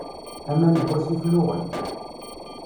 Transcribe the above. Aman n wasif luɣen.